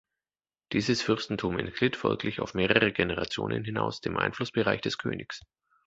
Dieses Fürstentum entglitt folglich auf mehrere Generationen hinaus dem Einflussbereich des Königs.